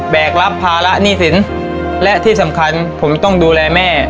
กรับภาระหนี้สินและที่สำคัญผมต้องดูแลแม่